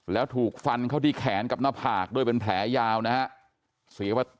แล้วถูกฟันเข้าที่แขนกับหน้าผากด้วยเป็นแผลยาวนะฮะ